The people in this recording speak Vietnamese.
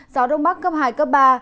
gió đông bắc cấp hai cấp ba